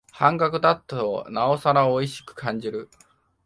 半額だとなおさらおいしく感じる